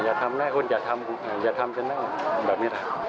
อย่าทำแน่คุณอย่าทำอย่าทำจนแน่วแบบเนี่ยครับ